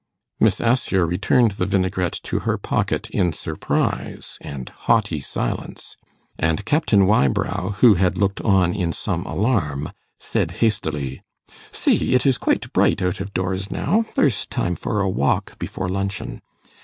Miss Assher returned the vinaigrette to her pocket in surprise and haughty silence, and Captain Wybrow, who had looked on in some alarm, said hastily, 'See! it is quite bright out of doors now. There is time for a walk before luncheon.